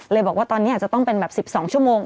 บอกว่าตอนนี้อาจจะต้องเป็นแบบ๑๒ชั่วโมง